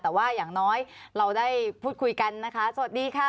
แต่ว่าอย่างน้อยเราได้พูดคุยกันนะคะสวัสดีค่ะ